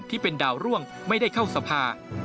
ที่เป็นดาวร่วงไม่ได้เข้าสภา